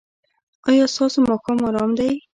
ایا ستاسو ماښام ارام دی؟